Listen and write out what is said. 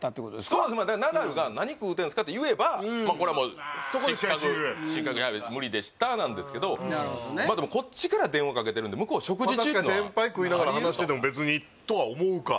そうですナダルが「何食うてんですか？」って言えばまあこれはもう失格「無理でした」なんですけどでもこっちから電話かけてるんで向こう食事中ってのは先輩食いながら話してても「別に」とは思うか